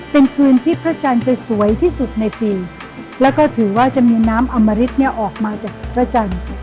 เป็นคืนที่พระจันทร์จะสวยที่สุดในปีแล้วก็ถือว่าจะมีน้ำอมริตเนี่ยออกมาจากพระจันทร์